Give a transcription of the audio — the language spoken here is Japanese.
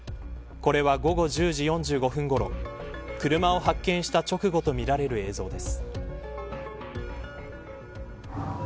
これは午後１０時４５分ごろ車を発見した直後とみられる映像です。